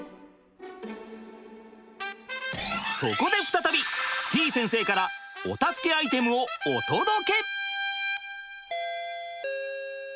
そこで再びてぃ先生からお助けアイテムをお届け！